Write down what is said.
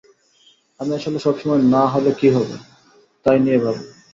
আমি আসলে সবসময়ে না হলে কী হবে, তাই নিয়ে ভাবি।